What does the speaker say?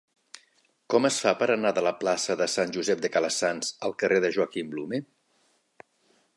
Com es fa per anar de la plaça de Sant Josep de Calassanç al carrer de Joaquim Blume?